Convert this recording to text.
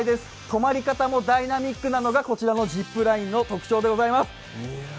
止まり方もダイナミックなのがこちらのジップラインの特徴でございます。